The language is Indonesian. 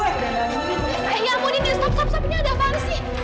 eh ya ampun ini stop stop stop ini ada apaan sih